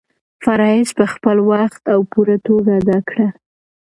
فرایض په خپل وخت او پوره توګه ادا کړه.